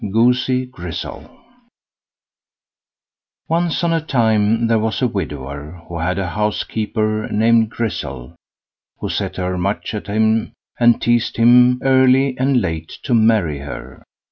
GOOSEY GRIZZEL Once on a time there was a widower, who had a housekeeper named Grizzel, who set her mutch at him and teazed him early and late to marry her.